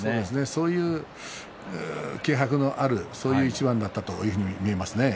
そういう気迫のある一番だったというふうに見えますね。